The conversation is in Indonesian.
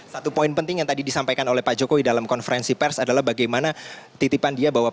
satu poin penting yang tadi disampaikan oleh pak jokowi dalam konferensi pers adalah bagaimana titipan dia bahwa